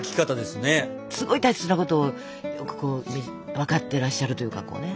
すごい大切なことを分かってらっしゃるというか。